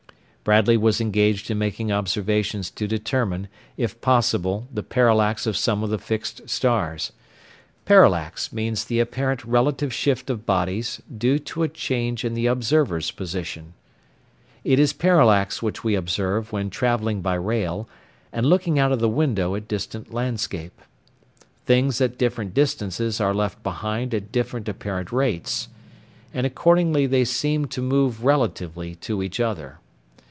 Bradley was engaged in making observations to determine if possible the parallax of some of the fixed stars. Parallax means the apparent relative shift of bodies due to a change in the observer's position. It is parallax which we observe when travelling by rail and looking out of window at the distant landscape. Things at different distances are left behind at different apparent rates, and accordingly they seem to move relatively to each other.